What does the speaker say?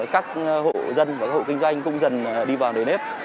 các hộ dân và các hộ kinh doanh cũng dần đi vào nề nếp